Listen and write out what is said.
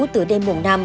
từ đêm mùng năm